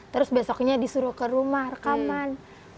terus besoknya disuruh ke rumah rekaman